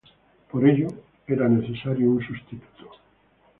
Por ello, era necesario un sustituto.